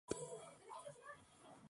Según el blog oficial de melody.